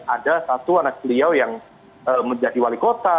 ada satu anak beliau yang menjadi wali kota